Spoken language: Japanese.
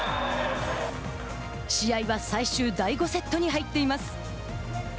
試合は最終第５セットに入っています。